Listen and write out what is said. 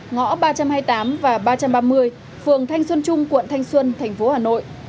ngõ ba trăm hai mươi tám và ba trăm ba mươi phường thanh xuân trung quận thanh xuân thành phố hà nội